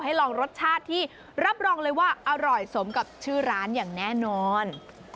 ลองรสชาติที่รับรองเลยว่าอร่อยสมกับชื่อร้านอย่างแน่นอน